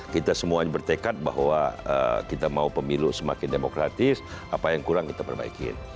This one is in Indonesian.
kita semuanya bertekad bahwa kita mau pemilu semakin demokratis apa yang kurang kita perbaikin